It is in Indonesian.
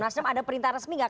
nasdem ada perintah resmi nggak